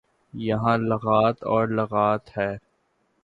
یہاں لغات اور لغات ہے۔